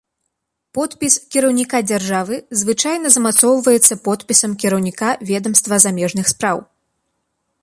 Подпіс кіраўніка дзяржавы звычайна замацоўваецца подпісам кіраўніка ведамства замежных спраў.